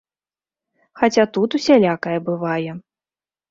Хаця тут усялякае бывае.